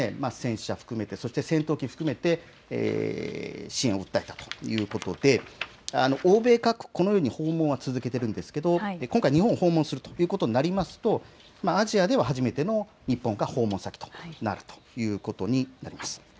戦車、戦闘機含めて支援を訴えたということで欧米各国このように訪問を続けているんですけど今回、日本を訪問するということになりますとアジアでは初めての日本が訪問先ということになります。